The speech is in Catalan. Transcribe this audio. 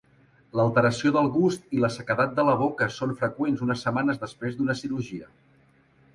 L'alteració del gust i la sequedat de la boca són freqüents unes setmanes després d'una cirurgia.